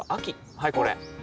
はいこれ。